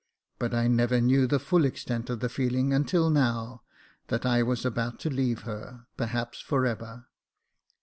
But I never knew the full extent of the feeling until now that I was about to leave her, perhaps for ever.